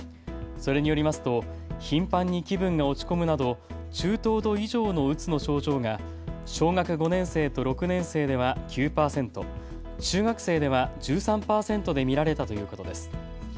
それによりますと頻繁に気分が落ち込むなど中等度以上のうつの症状が小学５年生と６年生は９％、中学生では１３％で見られたということです。